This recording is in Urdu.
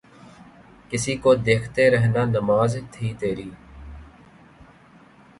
کسی کو دیکھتے رہنا نماز تھی تیری